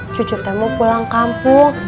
cucu temu pulang kampung